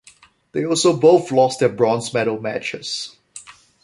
They also both lost their bronze medal matches.